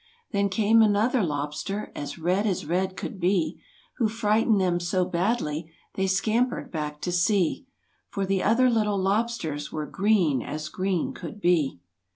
Then came another lobster As red as red could be, Who frightened them so badly They scampered back to sea, For the other little lobsters Were green as green could be.